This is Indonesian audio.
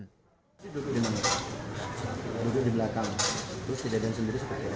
duduk di belakang terus kejadian sendiri seperti apa